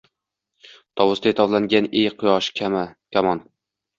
Tovusday tovlangin, ey qoshi kamon